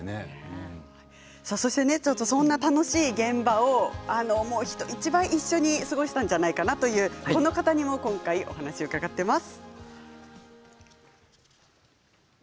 そんな楽しい現場を人一倍一緒に過ごしたんじゃないかなというこの方にも聞いています。